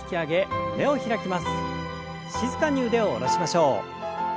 静かに腕を下ろしましょう。